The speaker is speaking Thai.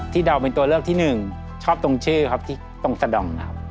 เดาเป็นตัวเลือกที่หนึ่งชอบตรงชื่อครับที่ตรงสะดองนะครับ